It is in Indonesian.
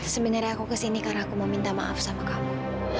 sebenernya aku kesini karena aku mau minta maaf sama kamu